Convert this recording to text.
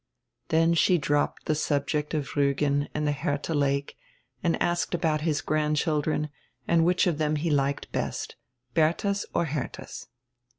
Then she dropped die subject of Riigen and die Hertha Lake and asked about his grandchildren and which of diem he liked best, Bertha's or Herdia's.